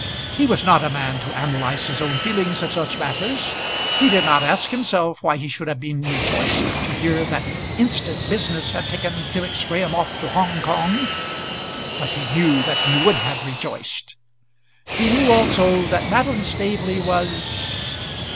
He was not a man to analyze his own feelings in such matters. He did not ask himself why he should have been rejoiced to hear that instant business had taken Felix Graham off to Hong Kong; but he knew that he would have rejoiced. He knew also that Madeline Staveley was